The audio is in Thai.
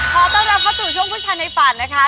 ขอต้อนรับเข้าสู่ช่วงผู้ชายในฝันนะคะ